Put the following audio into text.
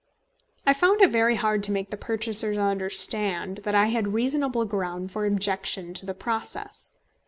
I found it very hard to make the purchasers understand that I had reasonable ground for objection to the process.